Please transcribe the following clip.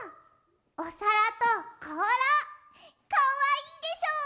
おさらとこうらかわいいでしょう？